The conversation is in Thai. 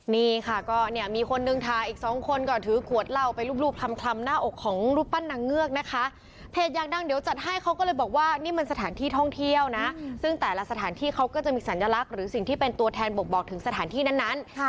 นี่ค่ะก็เนี่ยมีคนหนึ่งถ่ายอีกสองคนก็ถือขวดเหล้าไปรูปคลำหน้าอกของรูปปั้นนางเงือกนะคะเพจอยากดังเดี๋ยวจัดให้เขาก็เลยบอกว่านี่มันสถานที่ท่องเที่ยวนะซึ่งแต่ละสถานที่เขาก็จะมีสัญลักษณ์หรือสิ่งที่เป็นตัวแทนบกบอกถึงสถานที่นั้น